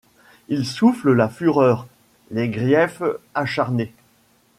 Il souffle la fureur ;,: les griefs acharnés